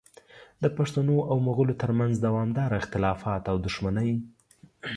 د پښتنو او مغولو ترمنځ دوامداره اختلافات او دښمنۍ